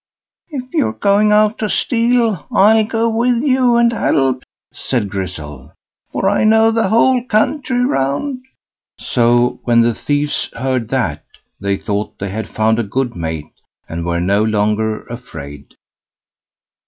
"If you're going out to steal, I'll go with you and help," said Grizzel, "for I know the whole country round." So, when the thieves heard that, they thought they had found a good mate, and were no longer afraid.